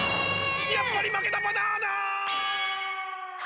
やっぱりまけたバナナ！